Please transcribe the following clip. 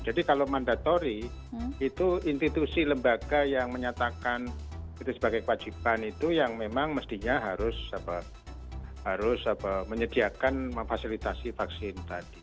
jadi kalau mandatori itu institusi lembaga yang menyatakan itu sebagai kewajiban itu yang memang mestinya harus menyediakan memfasilitasi vaksin